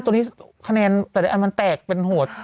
ตรงนี้คะแนนแต่ละอันมันแตกเป็นโหด